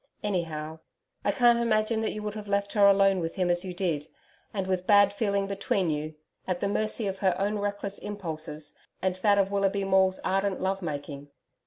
Anyhow, I can't imagine that you would have left her alone with him as you did and with bad feeling between you at the mercy of her own reckless impulses and that of Willoughby Maule's ardent love making.